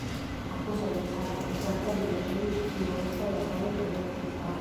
აღმოსავლეთ სარკმლის გარდა, მინაშენი ჩრდილოეთ და დასავლეთ კედლებშიცაა.